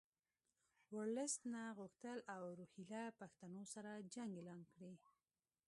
ورلسټ نه غوښتل له روهیله پښتنو سره جنګ اعلان کړي.